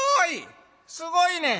すごいね。